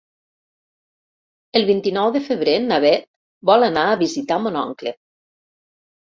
El vint-i-nou de febrer na Bet vol anar a visitar mon oncle.